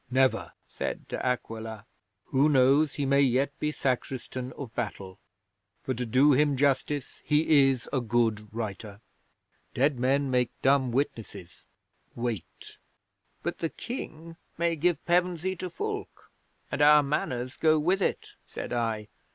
'"Never," said De Aquila. "Who knows, he may yet be Sacristan of Battle, for, to do him justice, he is a good writer. Dead men make dumb witnesses. Wait." '"But the King may give Pevensey to Fulke. And our Manors go with it," said I.